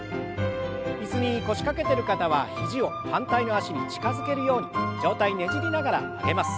椅子に腰掛けてる方は肘を反対の脚に近づけるように上体ねじりながら曲げます。